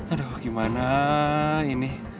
aduh gimana ini